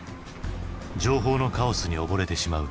情報のカオスに溺れてしまう。